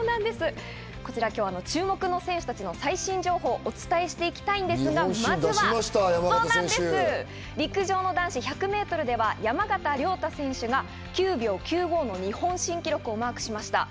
注目の選手たちの最新情報をお伝えしていきたいんですがまずは、陸上の男子１００ｍでは山縣亮太選手が９秒９５の日本新記録をマークしました。